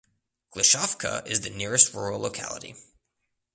Glushovka is the nearest rural locality.